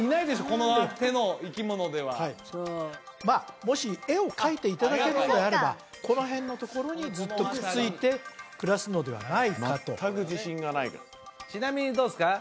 この手の生き物ではそうもし絵を描いていただけるんであればこの辺のところにずっとくっついて暮らすのではないかと全く自信がないけどちなみにどうですか？